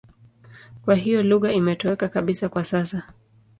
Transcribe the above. Kwa hiyo lugha imetoweka kabisa kwa sasa.